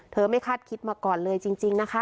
ไม่คาดคิดมาก่อนเลยจริงนะคะ